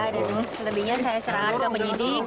dan selebihnya saya serahkan ke penyidik